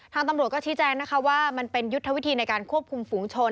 ทางตำรวจก็ชี้แจงนะคะว่ามันเป็นยุทธวิธีในการควบคุมฝูงชน